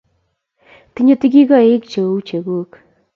Tinye tigikoik che u cheguk